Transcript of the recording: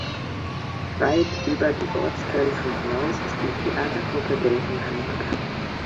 Weit über die Ortsgrenzen hinaus ist die „Theatergruppe Delkenheim“ bekannt.